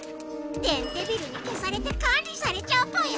電デビルにけされて管理されちゃうぽよ。